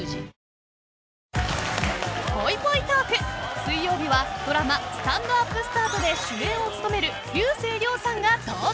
水曜日はドラマ『スタンドＵＰスタート』で主演を務める竜星涼さんが登場］